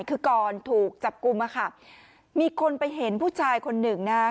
คือก่อนถูกจับกลุ่มอะค่ะมีคนไปเห็นผู้ชายคนหนึ่งนะฮะ